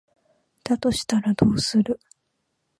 だとしたらどうする？